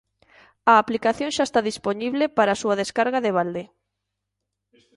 A aplicación xa está dispoñible para a súa descarga de balde.